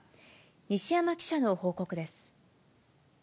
西山記者の報告です。